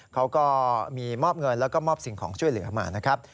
เขาก็มีมอบเงินแล้วก็มอบสิ่งของช่วยเหลือมานะครับ